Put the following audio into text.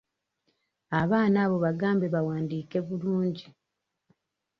Abaana abo bagambe bawandiike bulungi.